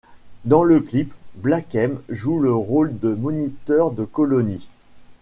Dans le clip, Black M joue le rôle de moniteur de colonie.